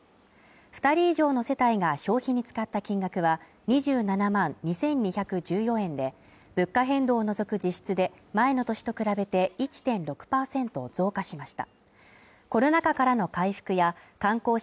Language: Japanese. ２人以上の世帯が消費に使った金額は２７万２２１４円で、物価変動を除く実質で、前の年と比べて１．６％増加しました。